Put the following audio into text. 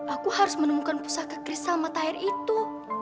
aku harus menemukan pusaka kristal mata air itu